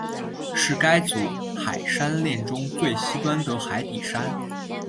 是该组海山炼中最西端的海底山。